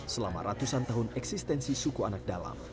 selama ratusan tahun eksistensi suku anak dalam